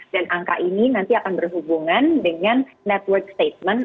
dan angka ini nanti akan berhubungan dengan network statement